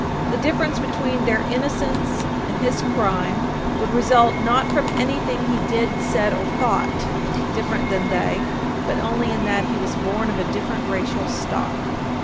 The difference between their innocence and his crime would result, not from anything he did, said, or thought, different than they, but only in that he was born of different racial stock.